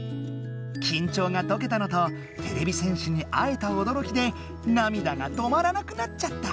きんちょうがとけたのとてれび戦士に会えたおどろきでなみだが止まらなくなっちゃった。